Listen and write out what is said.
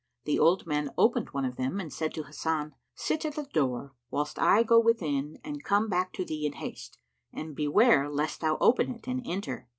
The old man opened one of them and said to Hasan, "Sit at the door, whilst I go within and come back to thee in haste, and beware lest thou open it and enter."